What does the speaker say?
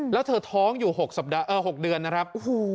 แล้วเธอท้องอยู่๖เดือนนะครับ